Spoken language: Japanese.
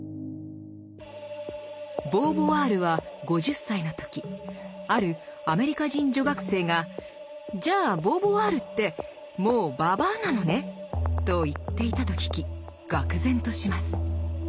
ボーヴォワールは５０歳の時あるアメリカ人女学生が「じゃあボーヴォワールってもう老女なのね！」と言っていたと聞きがく然とします。